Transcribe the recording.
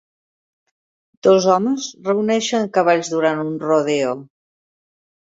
Dos homes reuneixen cavalls durant un rodeo.